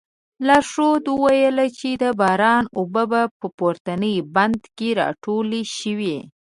لارښود وویل چې د باران اوبه په پورتني بند کې راټولې شوې.